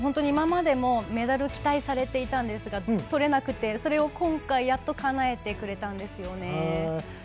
今までもメダル期待されていたんですがとれなくて、それを今回やっとかなえてくれたんですよね。